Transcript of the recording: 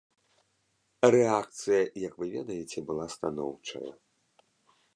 Рэакцыя, як вы ведаеце, была станоўчая.